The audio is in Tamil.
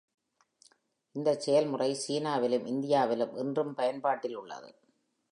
இந்த செயல்முறை சீனாவிலும் இந்தியாவிலும் இன்றும் பயன்பாட்டில் உள்ளது.